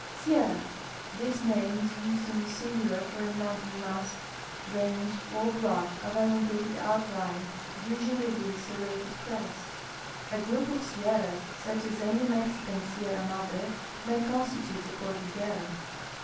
Sierra. — This name is u.sed in the singular for a mountain mass, range, or block of elongated outline, usually with a serrated crest. A group of sierras, such as any Mexican Sierra INladre, may constitute a cordillera.